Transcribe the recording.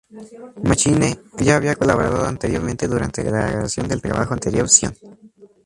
Machine ya había colaborado anteriormente durante la grabación del trabajo anterior "Zion".